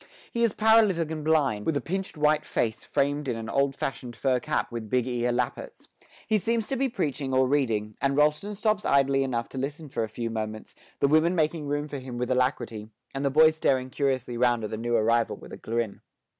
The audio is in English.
He is paralytic and blind, with a pinched white face framed in an old fashioned fur cap with big ear lappets; he seems to be preaching or reading, and Rolleston stops idly enough to listen for a few moments, the women making room for him with alacrity, and the boys staring curiously round at the new arrival with a grin.